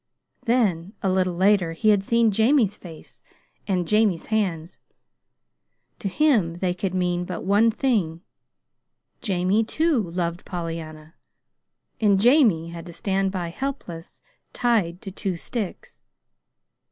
Then, a little later, he had seen Jamie's face, and Jamie's hands. To him they could mean but one thing: Jamie, too, loved Pollyanna, and Jamie had to stand by, helpless "tied to two sticks."